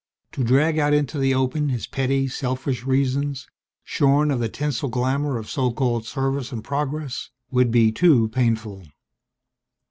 To drag out into the open his petty, selfish reasons, shorn of the tinsel glamor of so called "service" and "progress," would be too painful.